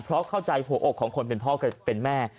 เพราะเข้าใจหัวอกของคนเป็นพ่อเป็นแม่